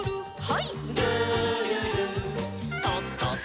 はい。